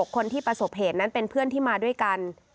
คนที่ประสบเหตุนั้นเป็นเพื่อนที่มาด้วยกัน